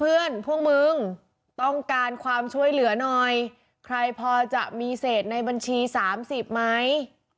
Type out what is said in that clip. เพื่อนพวกมึงต้องการความช่วยเหลือหน่อยใครพอจะมีเศษในบัญชี๓๐ไหม